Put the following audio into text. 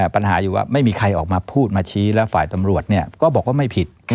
ปัญหาอยู่ว่าไม่มีใครออกมาพูดมาชี้แล้วฝ่ายตำรวจก็บอกว่าไม่ผิด